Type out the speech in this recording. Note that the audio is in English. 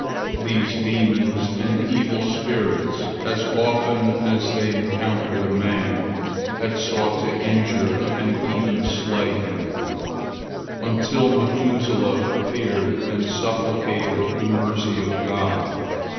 These demons and evil spirits, as often as they encountered a man, had sought to injure and even slay him, until Methuselah appeared, and supplicated the mercy of God.